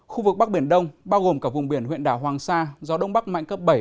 khu vực bắc biển đông bao gồm cả vùng biển huyện đảo hoàng sa gió đông bắc mạnh cấp bảy